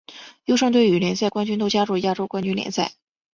优胜队与联赛冠军都加入亚洲冠军联赛。